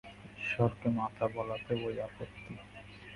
ঈশ্বরকে মাতা বলাতেও ঐ আপত্তি।